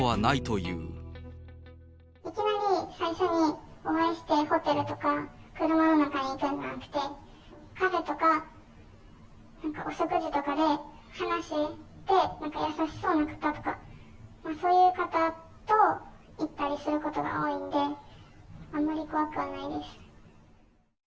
いきなり最初にお会いしてホテルとか車の中に行くんじゃなくて、カフェとか、お食事とかで、話して、なんか、優しそうな方とか、そういう方と行ったりすることが多いんで、あんまり怖くはないです。